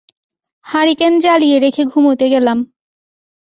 Hurricane জ্বালিয়ে রেখে ঘুমুতে গেলাম।